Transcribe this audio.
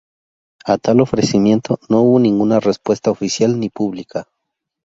A tal ofrecimiento no hubo ninguna respuesta oficial ni pública.